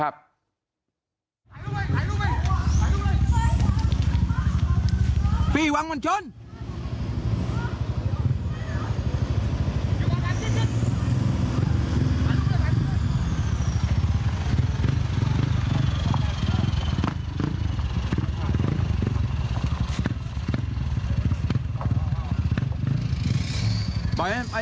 เมื่อเวลามันกลายเป้าหมาย